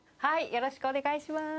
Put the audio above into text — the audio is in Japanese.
よろしくお願いします。